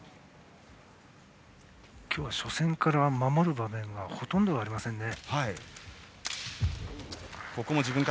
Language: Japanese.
今日は初戦から守る場面がほとんどありませんね。